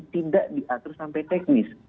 tidak diatur sampai teknis